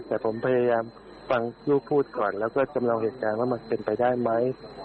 แต่ผมพยายามฟังลูกพูดก่อนแล้วก็จำลองเหตุการณ์ว่ามันเป็นไปได้ไหม